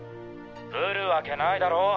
来るわけないだろ。